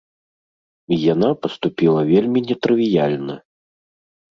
І яна паступіла вельмі нетрывіяльна!